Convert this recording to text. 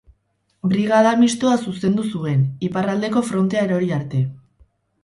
Brigada Mistoa zuzendu zuen, iparraldeko frontea erori arte.